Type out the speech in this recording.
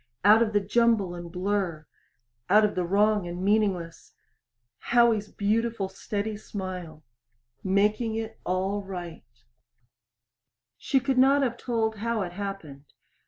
Out of the jumble and blur out of the wrong and meaningless Howie's beautiful steady smile making it all right. She could not have told how it happened.